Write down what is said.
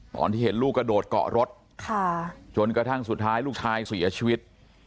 ตอนที่เห็นลูกกระโดดเกาะรถจนกระทั่งสุดท้ายลูกชายเสียชีวิต